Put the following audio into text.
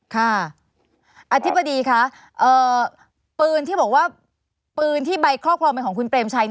อธิบดีคะปืนที่บอกว่าปืนที่ใบครอบครองเป็นของคุณเปรมชัย